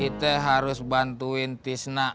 kita harus bantuin tisnak